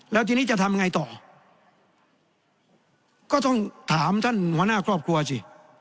แล้วทีนี้จะทำไงต่อก็ต้องถามท่านหัวหน้าครอบครัวสิ